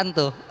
iya tuh suka